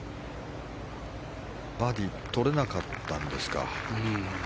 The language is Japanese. バーディーをとれなかったんですか。